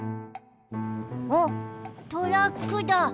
あっトラックだ。